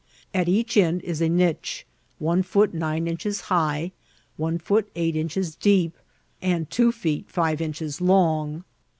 At each end is a niche one foot nine inches high, one foot eight inch es deep, and two feet five inches long.